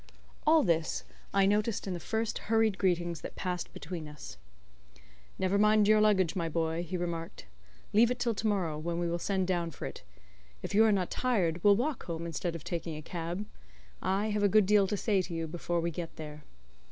All this I noticed in the first hurried greetings that passed between us. "Never mind your luggage, my boy," he remarked. "Leave it till to morrow, when we will send down for it. If you are not tired we'll walk home instead of taking a cab. I have a good deal to say to you before we get there."